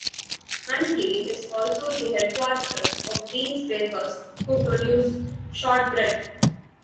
Huntly is also the headquarters of Dean's bakers, who produce shortbread.